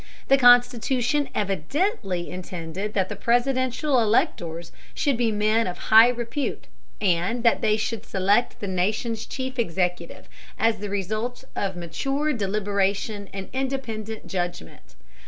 The Constitution evidently intended that the Presidential electors should be men of high repute, and that they should select the nation's chief executive as the result of mature deliberation and independent judgment.